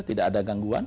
tidak ada gangguan